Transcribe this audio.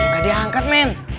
gak diangkat men